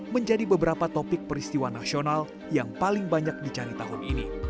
menjadi beberapa topik peristiwa nasional yang paling banyak dicari tahun ini